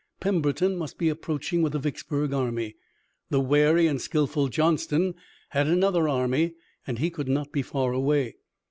Pemberton must be approaching with the Vicksburg army. The wary and skillful Johnston had another army, and he could not be far away.